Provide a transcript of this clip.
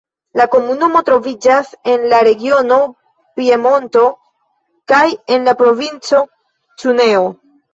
La komunumo troviĝas en la regiono Piemonto kaj en la Provinco Cuneo.